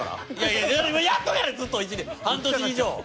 いややっとるやろずっと１年半年以上。